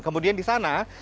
kemudian di sana